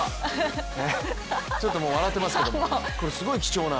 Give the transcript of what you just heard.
ちょっともう笑っていますけれどもこれ、貴重な。